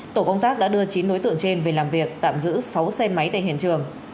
tổ công tác đã đưa chín đối tượng trên về làm việc tạm giữ sáu xe máy tại hiện trường